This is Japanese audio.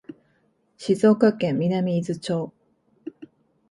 静岡県南伊豆町